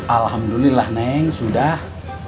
alhamdulillah neng sudah